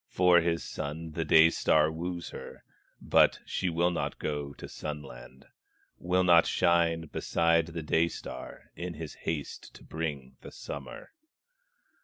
For his son the Day star wooes her, But she will not go to Sun land, Will not shine beside the Day star, In his haste to bring the summer.